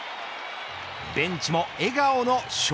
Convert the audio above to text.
ベンチも笑顔の笑